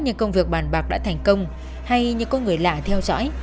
khi công việc bàn bạc đã thành công hay như có người lạ theo dõi